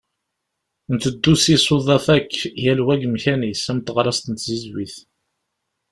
Nteddu s yisuḍaf akk, yal wa deg umkan-is, am teɣrast n tzizwit.